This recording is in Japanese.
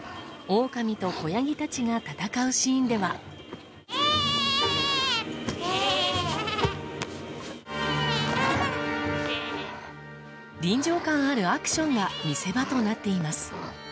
オオカミと子ヤギたちが戦うシーンでは臨場感あるアクションが見せ場となっています。